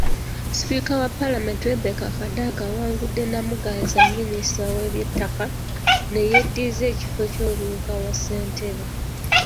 Sipiika wa Palamenti Rebecca Kadaga awangudde Namuganza, minisita w’eby’ettaka neyeddiza ekifo ky’Omumyuka wa ssentebe.